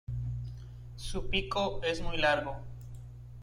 Su pico es muy largo.